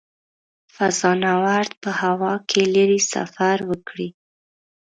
فضانورد په هوا کې لیرې سفر وکړي.